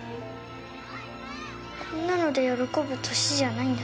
こんなので喜ぶ歳じゃないんだけど。